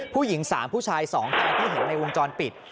ผู้หญิง๓ผู้ชาย๒ตามที่เห็นในวงจรปิด